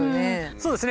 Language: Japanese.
そうですね。